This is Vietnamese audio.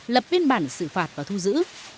lập viên bản xử phạt và thu giữ